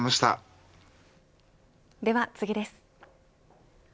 では次です。